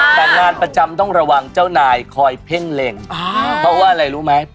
แต่งานประจำต้องระวังเจ้านายคอยเพ่งเล็งเพราะว่าอะไรรู้ไหม